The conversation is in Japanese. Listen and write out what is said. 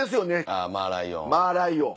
あぁマーライオン。